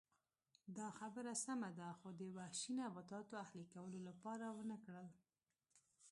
دا خبره سمه ده خو د وحشي نباتاتو اهلي کولو لپاره ونه کړل